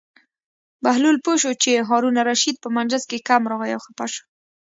بهلول پوه شو چې هارون الرشید په مجلس کې کم راغی او خپه شو.